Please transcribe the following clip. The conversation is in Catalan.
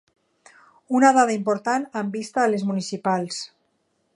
Una dada important amb vista a les municipals.